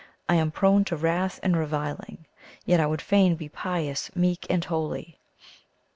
I am prone to wrath and reviling, yet I would fain be pious, meek, and holy."